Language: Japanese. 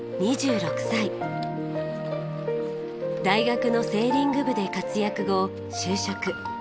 大学のセーリング部で活躍後就職。